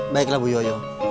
baiklah bu yoyo